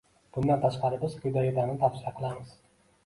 Bundan tashqari, biz quyidagilarni tavsiya qilamiz: